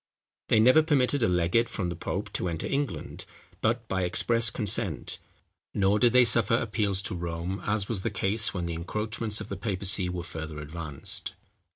They never permitted a legate from the pope to enter England, but by express consent; nor did they suffer appeals to Rome, as was the case when the encroachments of the papacy were further advanced.